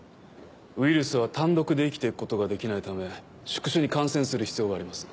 ウイルスは単独で生きて行くことができないため宿主に感染する必要があります。